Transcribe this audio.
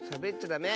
ダメ！